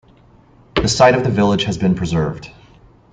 The site of the village has been preserved.